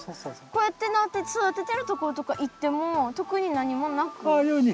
こうやってなって育ててるところとか行っても特に何もなく？